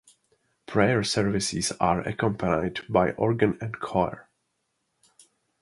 Prayer services are accompanied by organ and choir.